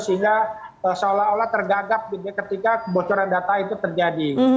sehingga seolah olah tergagap ketika kebocoran data itu terjadi